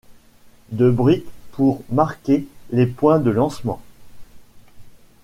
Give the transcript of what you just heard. De briques pour marquer les points de lancement.